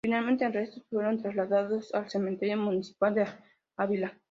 Finalmente sus restos fueron trasladados al cementerio municipal de Ávila.